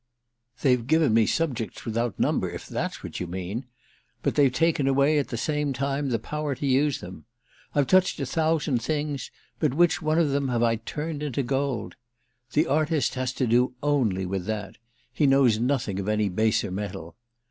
"They've given me subjects without number, if that's what you mean; but they've taken away at the same time the power to use them. I've touched a thousand things, but which one of them have I turned into gold? The artist has to do only with that—he knows nothing of any baser metal.